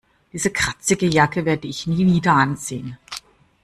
Diese kratzige Jacke werde ich nie wieder anziehen.